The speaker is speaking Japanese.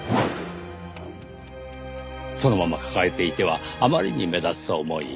そのまま抱えていてはあまりに目立つと思い